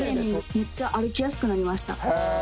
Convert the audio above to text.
めっちゃ歩きやすくなりました。